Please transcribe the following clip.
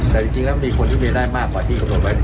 แต่จริงจริงล่ะมันมีคนที่มีได้มากกว่าที่ก็พอครับ